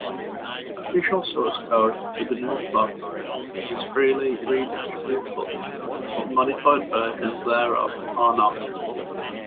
Official source code to gnuplot is freely redistributable, but modified versions thereof are not.